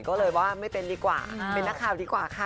ก็เลยว่าไม่เป็นดีกว่าเป็นนักข่าวดีกว่าค่ะ